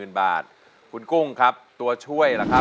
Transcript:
เปลี่ยนเพลงเก่งของคุณและข้ามผิดได้๑คำ